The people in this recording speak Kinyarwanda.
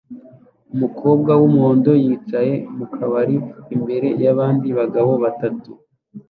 Umukobwa wumuhondo yicaye mukabari imbere yabandi bagabo batatu